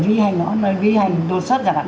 vi hành nó vi hành đột xuất